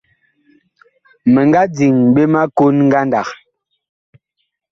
Mi nga diŋ ɓe ma kon ngandag.